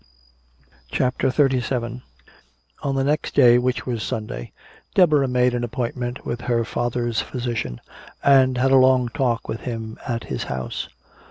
CHAPTER XXXVII On the next day, which was Sunday, Deborah made an appointment with her father's physician, and had a long talk with him at his house.